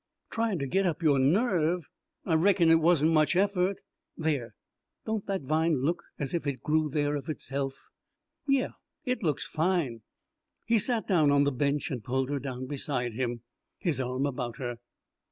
"Tryin' to get up your nerve! I reckon it wasn't much effort. There, don't that vine look's if it grew there of itself?" "Yeh it looks fine." He sat down on the bench and pulled her down beside him, his arm about her.